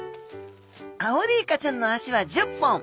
アオリイカちゃんの足は１０本。